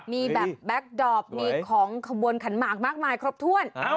มีแบบแบ็คดอปมีของขบวนขันหมากมากมายครบถ้วน